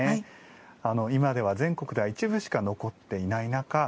今では全国では一部しか残っていない中